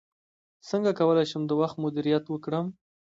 څنګه کولی شم د وخت مدیریت وکړم